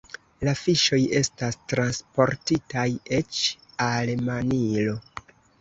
La fiŝoj estas transportitaj eĉ al Manilo.